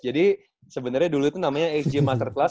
jadi sebenarnya dulu itu namanya xj masterclass